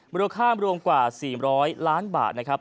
บริโรคค้ารวมกว่า๔๐๐ล้านบาทนะครับ